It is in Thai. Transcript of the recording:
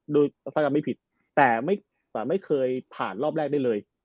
ดูสรรค์ไม่ผิดแต่ไม่เคยผ่านรอบแรกได้เลย